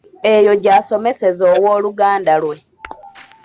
Eyo gy'asomeseza owooluganda lwe.